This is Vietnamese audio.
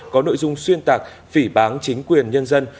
có nội dung xuyên tạc phỉ bán chính quyền nhân dân